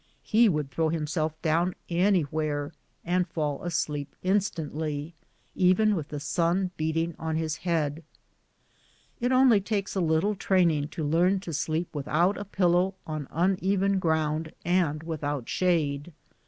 He would throw himself down anywhere and fall asleep instantly, even with the sun beating on his head. It only takes a little training to learn to sleep without a pillow on uneven ground and without shade.